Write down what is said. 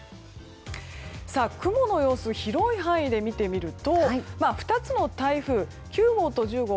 雲の様子、広い範囲で見てみると２つの台風９号と１０号